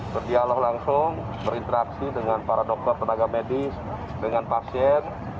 berdialog langsung berinteraksi dengan para dokter tenaga medis dengan pasien